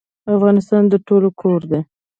افغانستان د ټولو کور دی